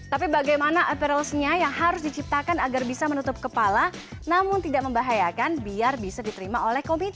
tapi bagaimana apperalsnya yang harus diciptakan agar bisa menutup kepala namun tidak membahayakan biar bisa diterima oleh komite